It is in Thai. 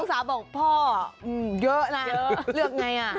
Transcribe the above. ลูกสาวบอกพ่อเยอะนะเลือกไง